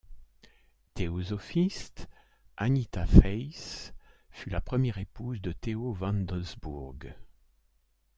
Théosophiste, Agnita Feis fut la première épouse de Theo van Doesburg.